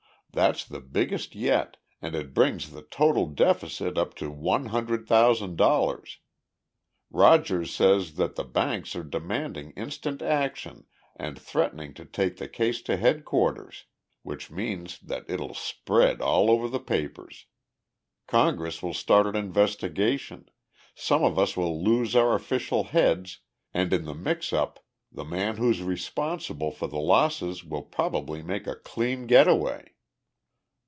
That's the biggest yet and it brings the total deficit up to one hundred thousand dollars. Rogers says that the banks are demanding instant action and threatening to take the case to headquarters, which means that it'll spread all over the papers. Congress will start an investigation, some of us will lose our official heads, and, in the mix up, the man who's responsible for the losses will probably make a clean getaway."